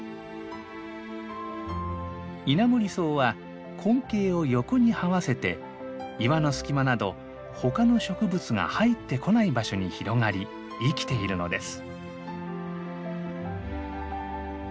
イナモリソウは根茎を横にはわせて岩の隙間などほかの植物が入ってこない場所に広がり生きているのです。